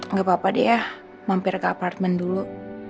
nggak apa apa deh ya mampir ke apartemen dulu